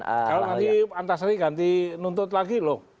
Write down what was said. kalau nanti pak antasari ganti nuntut lagi loh